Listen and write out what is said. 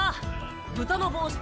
「豚の帽子」